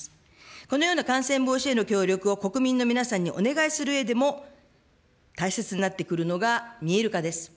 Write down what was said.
このような感染防止への協力を国民の皆さんにお願いするうえでも、大切になってくるのが見える化です。